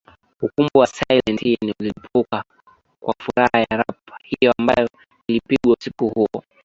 Ukumbi wa Silent Inn ulilipuka kwa furaha ya Rap hiyo ambayo ilipigwa usiku huo